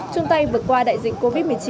chung tay vượt qua đại dịch covid một mươi chín